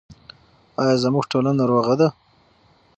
آیا زموږ ټولنه روغه ده؟